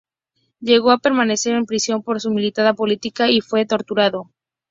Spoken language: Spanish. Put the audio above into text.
Llegó a permanecer en prisión por su militancia política y fue torturado.